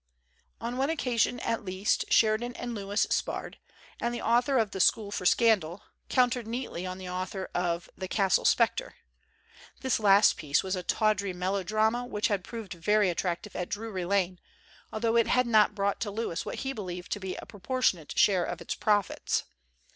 On one occasion, at least, Sheridan and Lewis sparred, and the author of the 'School for Scan dal ' countered neatly on the author of the ' Castle Specter/ This last piece was a tawdry melo drama which had proved very attractive at Drury Lane, although it had not brought to Lewis what he believed to be a proportionate share of its profits.